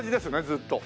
ずっと。